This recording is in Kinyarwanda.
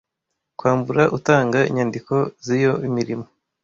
kwambura utanga inyandiko ziyo imirimo